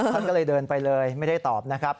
ท่านก็เลยเดินไปเลยไม่ได้ตอบนะครับ